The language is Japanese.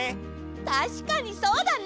たしかにそうだね！